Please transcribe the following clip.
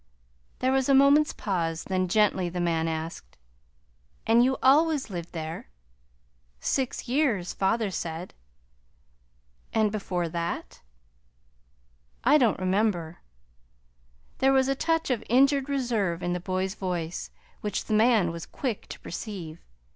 There was a moment's pause; then gently the man asked: "And you always lived there?" "Six years, father said." "And before that?" "I don't remember." There was a touch of injured reserve in the boy's voice which the man was quick to perceive.